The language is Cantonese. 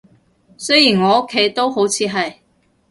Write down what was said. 雖然我屋企都好似係